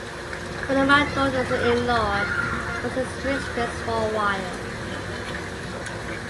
One of my daughters-in-law was his mistress for a while.